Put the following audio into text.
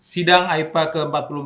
sidang aipa ke empat puluh empat